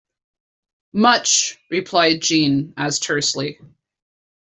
Much, replied Jeanne, as tersely.